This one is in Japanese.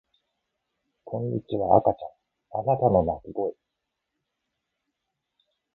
こんにちは赤ちゃんあなたの泣き声